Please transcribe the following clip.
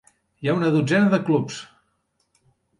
Hi ha una dotzena de clubs.